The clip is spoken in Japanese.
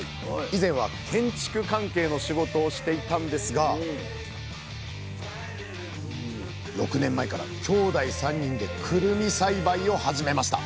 以前は建築関係の仕事をしていたんですが６年前から兄弟３人でくるみ栽培を始めました。